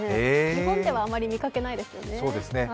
日本ではあまり見かけないですね。